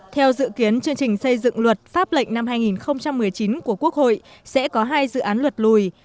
theo dự kiến chương trình xây dựng luật pháp lệnh năm hai nghìn một mươi chín của quốc hội sẽ có hai dự án luật lùi